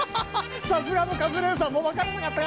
さすがのカズレーザーも分からなかったか！